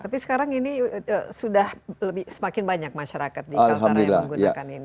tapi sekarang ini sudah semakin banyak masyarakat di kaltara yang menggunakan ini